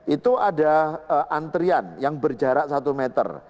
itu ada antrian yang berjarak satu meter